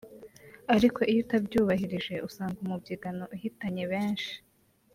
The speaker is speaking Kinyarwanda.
ariko iyo utabyubahirije usanga umubyigano uhitanye benshi”